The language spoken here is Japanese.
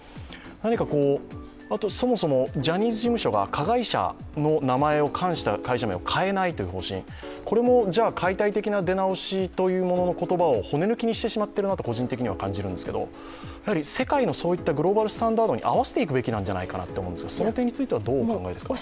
何かそもそもジャニーズ事務所が加害者の名前を冠した名前を変えないという方針、これも解体的な出直しという言葉を骨抜きにしてしまってると個人的には感じるんですけどやはり世界のそういったグローバルスタンダードに合わせていくべきだと思うんですがその点についてはどう思われますか？